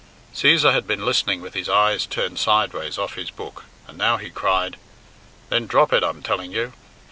Cæsar had been listening with his eyes turned sideways off his book, and now he cried, "Then drop it, I'm telling you.